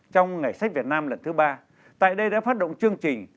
trong ngày sách việt nam lần thứ ba tại đây đã phát động chương trình